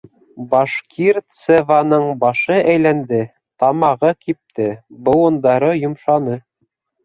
Башкирцеваның башы әйләнде, тамағы кипте, быуындары йомшаны.